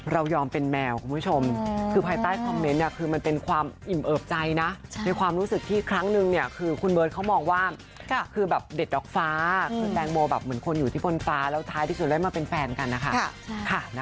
เรายอมเป็นแมวคุณผู้ชมคือภายใต้คอมเม้นต์เนี่ย